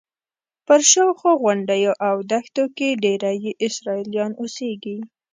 پر شاوخوا غونډیو او دښتو کې ډېری یې اسرائیلیان اوسېږي.